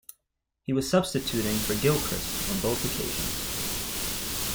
He was substituting for Gilchrist on both occasions.